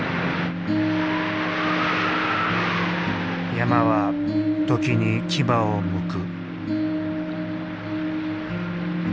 山は時に牙をむく。